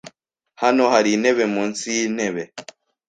Hano hari intebe munsi yintebe .